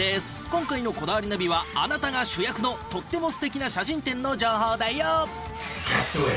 今回の『こだわりナビ』はあなたが主役のとっても素敵な写真展の情報だよ。